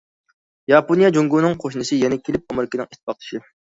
ياپونىيە جۇڭگونىڭ قوشنىسى، يەنە كېلىپ ئامېرىكىنىڭ ئىتتىپاقدىشى.